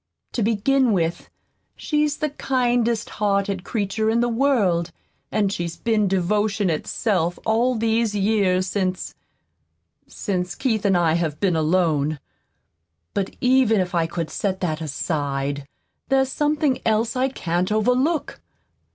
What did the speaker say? To begin with, she's the kindest hearted creature in the world, and she's been devotion itself all these years since since Keith and I have been alone. But even if I could set that aside, there's something else I can't overlook.